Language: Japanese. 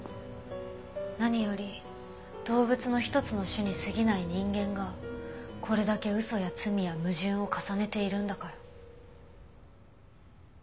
何より動物の一つの種に過ぎない人間がこれだけ嘘や罪や矛盾を重ねているんだから。